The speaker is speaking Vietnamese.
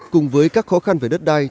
cùng với các khó khăn về đất đai